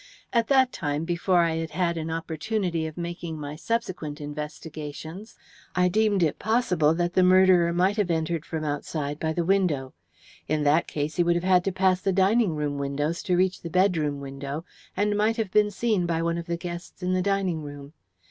At that time, before I had had an opportunity of making my subsequent investigations, I deemed it possible that the murderer might have entered from outside by the window. In that case he would have had to pass the dining room windows to reach the bedroom window, and might have been seen by one of the guests in the dining room.